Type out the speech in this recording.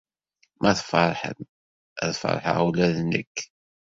Ma tfeṛḥem, ad feṛḥeɣ ula d nekk.